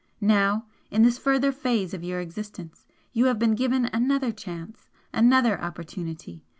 Now in this further phase of your existence you have been given another chance another opportunity.